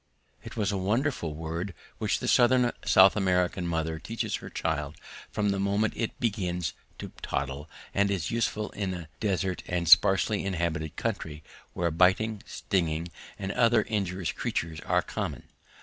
It is a wonderful word which the southern South American mother teaches her child from the moment it begins to toddle, and is useful in a desert and sparsely inhabited country where biting, stinging, and other injurious creatures are common.